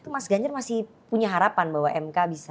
mas ganjar masih punya harapan bahwa mk bisa